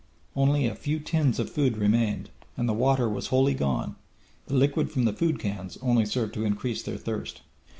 Only a few tins of food remained and the water was wholly gone; the liquid from the food cans only served to increase their thirst.